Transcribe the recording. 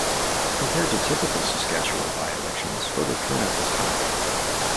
Compared to typical Saskatchewan by-elections, voter turnout was high.